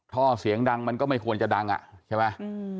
ท่อเสียงดังมันก็ไม่ควรจะดังอ่ะใช่ไหม